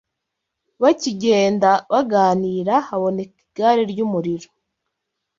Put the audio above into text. Bakigenda baganira haboneka igare ry’umuriro